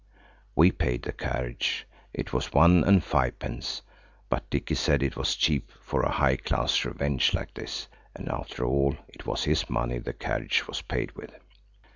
We paid the carriage. It was one and five pence, but Dicky said it was cheap for a high class revenge like this, and after all it was his money the carriage was paid with.